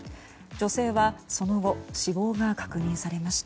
女性は、その後死亡が確認されました。